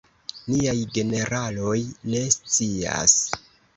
Niaj generaloj ne scias!